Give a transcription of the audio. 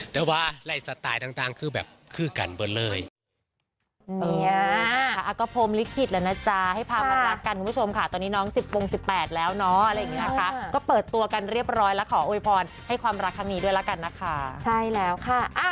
แต่ว่าไล่สไตล์ต่างคือแบบคือกันเบอร์เลย